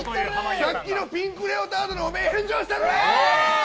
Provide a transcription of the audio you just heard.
さっきのピンクレオタードの汚名返上してやる。